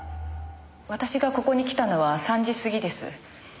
私がここに来たのは３時過ぎです。